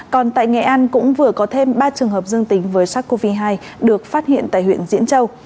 còn tại nghệ an cũng vừa có thêm ba trường hợp dương tính với sars cov hai được phát hiện tại huyện diễn châu